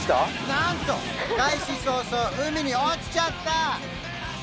なんと開始早々海に落ちちゃった！